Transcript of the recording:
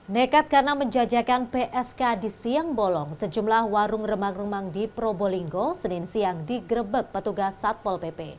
nekat karena menjajakan psk di siang bolong sejumlah warung remang remang di probolinggo senin siang digerebek petugas satpol pp